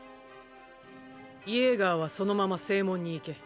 イェーガーはそのまま正門に行け。